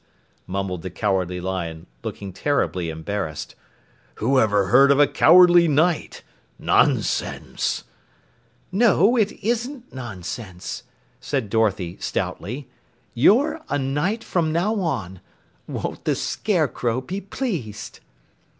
mumbled the Cowardly Lion, looking terribly embarrassed. "Whoever heard of a Cowardly Knight? Nonsense!" "No, it isn't nonsense," said Dorothy stoutly. "You're a knight from now on. Won't the Scarecrow be pleased?"